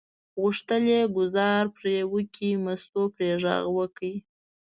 غوښتل یې ګوزار پرې وکړي، مستو پرې غږ وکړ.